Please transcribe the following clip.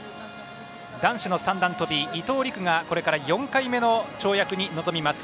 男子の三段跳び伊藤陸がこれから４回目の跳躍に臨みます。